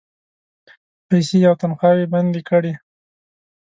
پیسې او تنخواوې بندي کړې.